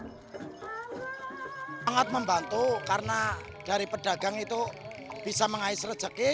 sangat membantu karena dari pedagang itu bisa mengais rejeki